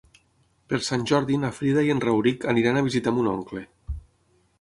Per Sant Jordi na Frida i en Rauric aniran a visitar mon oncle.